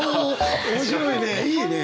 面白いね！